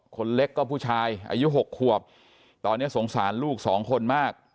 คนเล็กก็ผู้ชายอายุ๖ขวบตอนนี้สงสารลูกสองคนมาก